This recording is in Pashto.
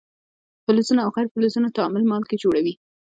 د فلزونو او غیر فلزونو تعامل مالګې جوړوي.